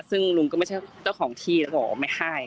ซึ่งลุงก็ไม่ใช่เจ้าของที่แล้วบอกว่าไม่ให้